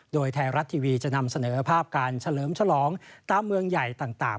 โดยไทยรัฐทีวีจะนำเสนอภาพการเฉลิมฉลองตามเมืองใหญ่ต่าง